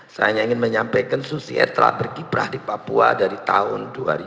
saya hanya ingin menyampaikan susi air telah berkiprah di papua dari tahun dua ribu